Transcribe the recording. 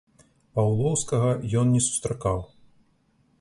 Паўлоўскага ён не сустракаў.